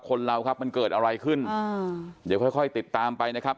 คนเราครับมันเกิดอะไรขึ้นอ่าเดี๋ยวค่อยค่อยติดตามไปนะครับ